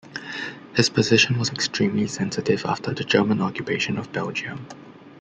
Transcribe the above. His position was extremely sensitive after the German occupation of Belgium.